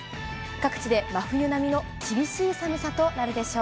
各地で真冬並みの厳しい寒さとなるでしょう。